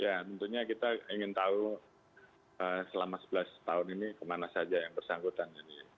ya tentunya kita ingin tahu selama sebelas tahun ini kemana saja yang bersangkutan ini